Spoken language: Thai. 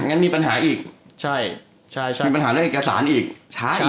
งั้นมีปัญหาอีกมีปัญหาในเอกสารอีกช้าอีก